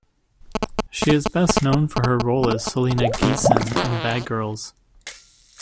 She is best known for her role as Selena Geeson in "Bad Girls".